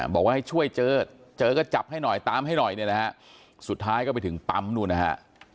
บอกว่าให้ช่วยเจอเจอก็จับให้หน่อยตามให้หน่อยเนี่ยนะฮะสุดท้ายก็ไปถึงปั๊มนู่นนะฮะ